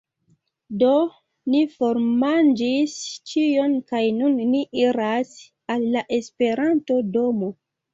Do, ni formanĝis ĉion kaj nun ni iras al la Esperanto-domo